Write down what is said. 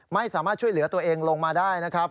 ไม่สามารถช่วยเหลือตัวเองลงมาได้นะครับ